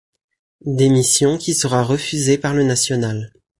Démission qui sera refusée par le national.